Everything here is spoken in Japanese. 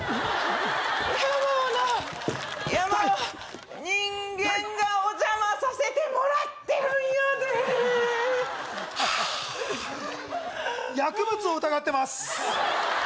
山はな山は人間がお邪魔させてもらってるんやで薬物を疑ってます